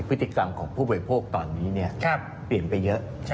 พฤติกรรมของผู้บริโภคตอนนี้เปลี่ยนไปเยอะ